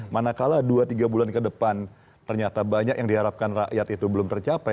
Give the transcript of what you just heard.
manakala dua tiga bulan ke depan ternyata banyak yang diharapkan rakyat itu belum tercapai